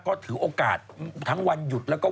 ปลาหมึกแท้เต่าทองอร่อยทั้งชนิดเส้นบดเต็มตัว